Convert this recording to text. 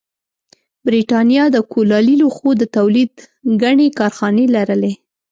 برېټانیا د کولالي لوښو د تولید ګڼې کارخانې لرلې